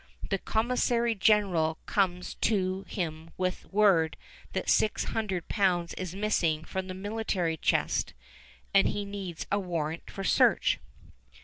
The commissary general comes to him with word that 600 pounds is missing from the military chest, and he needs a warrant for search.